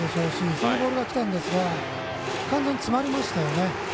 そのボールがきたんですが完全に詰まりましたね。